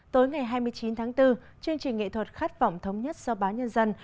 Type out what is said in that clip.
tối ngày hai mươi chín tháng bốn chương trình nghệ thuật khát vọng thống nhất do báo nhân dân